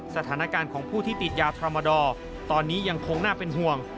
สถานการณ์ของผู้ที่ติดยาทรมาดอร์ตอนนี้ยังคงน่าเป็นห่วง